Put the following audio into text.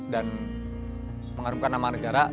dan menghargai nama negara